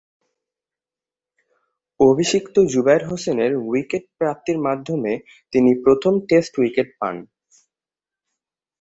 অভিষিক্ত জুবায়ের হোসেনের উইকেট প্রাপ্তির মাধ্যমে তিনি প্রথম টেস্ট উইকেট পান।